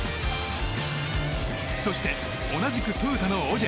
そして、同じくトヨタのオジェ。